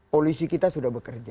polisi kita sudah bekerja